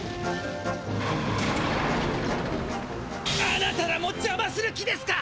あなたらもじゃまする気ですか！？